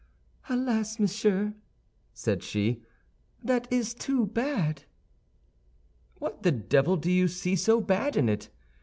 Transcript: "Alas, monsieur," said she, "that is too bad." "What the devil do you see so bad in it?"